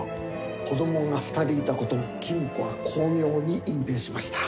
子どもが２人いたことも公子は巧妙に隠蔽しました。